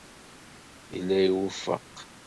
Yella iwufeq.